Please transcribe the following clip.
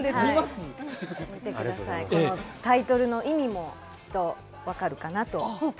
タイトルの意味もきっと分かるかなと。